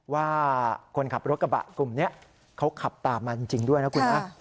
ว่าคนขับรถกระบะกลุ่มนี้เขาขับตามมาจริงด้วยนะคุณนะ